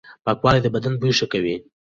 پاکوالي د بدن بوی ښه کوي.